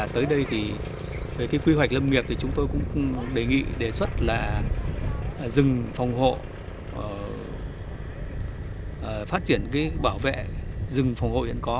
tới đây thì về cái quy hoạch lâm nghiệp thì chúng tôi cũng đề nghị đề xuất là rừng phòng hộ phát triển cái bảo vệ rừng phòng hộ hiện có